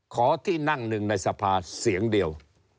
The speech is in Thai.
ที่นั่งหนึ่งในสภาเสียงเดียว